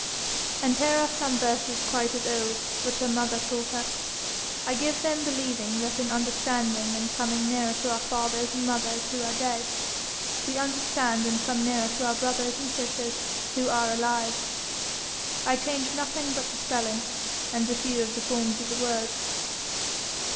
And here are some verses quite as old, which her mother taught her. I give them believing that in understanding and coming nearer to our fathers and mothers who are dead, we understand and come nearer to our brothers and sisters who are alive. I change nothing but the spelling, and a few of the forms of the words.